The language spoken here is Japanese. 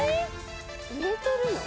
・入れてるの？